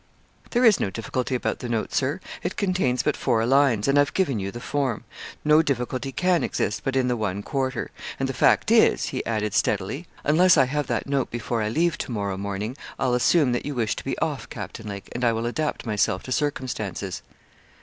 'There is no difficulty about the note, Sir; it contains but four lines, and I've given you the form. No difficulty can exist but in the one quarter; and the fact is,' he added, steadily, 'unless I have that note before I leave to morrow morning, I'll assume that you wish to be off, Captain Lake, and I will adapt myself to circumstances.'